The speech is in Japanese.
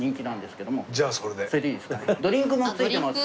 ドリンクも付いてます。